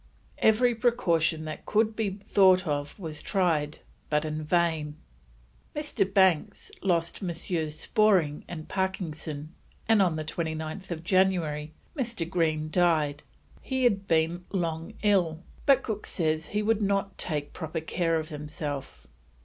Every precaution that could be thought of was tried, but in vain. Mr. Banks lost Messrs. Sporing and Parkinson, and on 29th January Mr. Green died; he had been long ill, but Cook says he would not take proper care of himself.